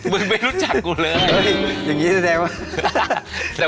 มึงไม่รู้จักกูเลยอย่างนี้แสดงว่า